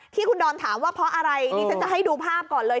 ที่คุณดอมถามว่าเพราะอะไรดิฉันจะให้ดูภาพก่อนเลย